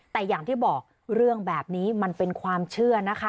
แต่อย่างที่บอกเรื่องแบบนี้มันเป็นความเชื่อนะคะ